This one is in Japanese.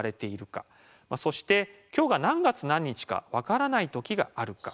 そして「きょうが何月何日かわからない時があるか」。